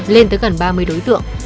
lên tới gần ba mươi đối tượng